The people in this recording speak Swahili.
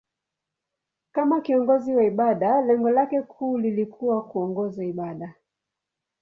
Kama kiongozi wa ibada, lengo lake kuu lilikuwa kuongoza ibada.